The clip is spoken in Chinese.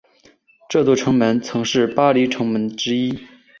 这座城门曾是巴黎城门之一。